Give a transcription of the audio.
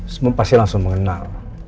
semua pasti langsung mengenal